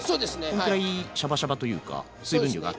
このくらいシャバシャバというか水分量があってもね。